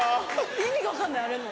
意味が分かんないあれの。